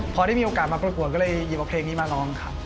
พอได้มีโอกาสมาประกวดก็เลยหยิบเอาเพลงนี้มาร้องครับ